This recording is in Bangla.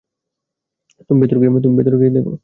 তুমি ভেতরে গিয়ে দেখো।